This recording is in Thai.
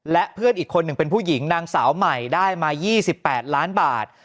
และเพื่อนอีกคนหนึ่งเป็นผู้หญิงนางสาวใหม่ได้มา๒๘ล้านบาท